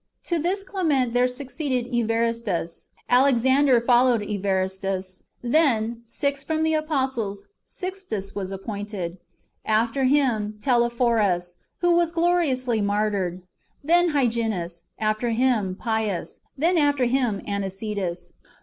To this Clement there succeeded Evaristus. Alexander followed Evaristus ; then, sixth from the apostles, Sixtus was ap pointed ; after him Telesphorus, who was gloriously martyred; then Hyginus ; after him, Pius ; then after him, Anicetus.